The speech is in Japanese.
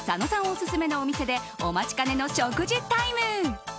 オススメのお店でお待ちかねの食事タイム。